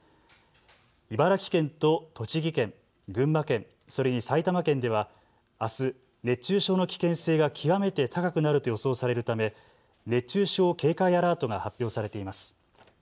茨城県と栃木県、群馬県、それに埼玉県ではあす熱中症の危険性が極めて高くなると予想されるため熱中症警戒アラートが発表されています。